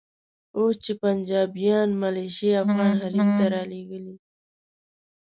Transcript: اوس چې پنجابیان ملیشې افغان حریم ته رالېږي.